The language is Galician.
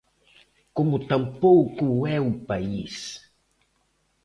Como tampouco o é o país.